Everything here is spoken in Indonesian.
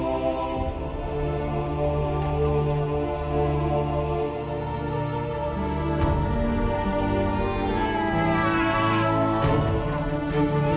saya akan menangkan dia